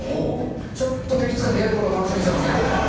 ちょっとね、いつか出会えることを楽しみにしてます。